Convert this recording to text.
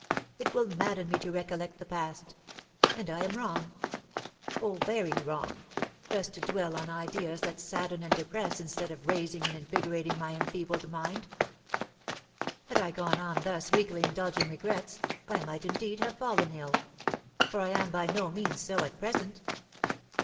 It will madden me to recollect the past; and I am wrong oh, very wrong thus to dwell on ideas that sadden and depress instead of raising and invigorating my enfeebled mind. Had I gone on thus weakly indulging regrets, I might, indeed, have fallen ill, for I am by no means so at present.